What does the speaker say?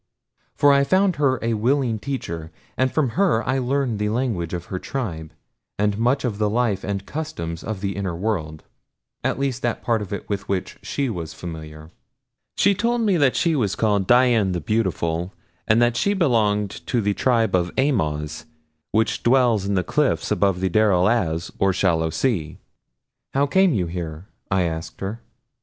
For I found her a willing teacher, and from her I learned the language of her tribe, and much of the life and customs of the inner world at least that part of it with which she was familiar. She told me that she was called Dian the Beautiful, and that she belonged to the tribe of Amoz, which dwells in the cliffs above the Darel Az, or shallow sea. "How came you here?" I asked her.